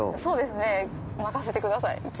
そうですね任せてください。